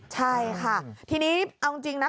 ใช่ค่ะทีนี้เอาจริงนะ